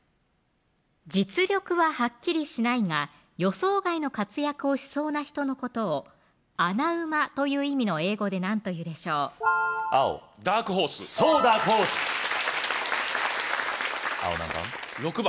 実力ははっきりしないが予想外の活躍をしそうな人のことを「穴馬」という意味の英語で何というでしょう青ダークホースそうダークホース青何番？